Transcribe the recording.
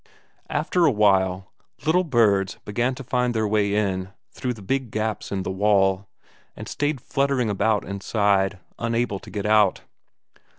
After a while, little birds began to find their way in through the big gaps in the wall, and stayed fluttering about inside, unable to get out.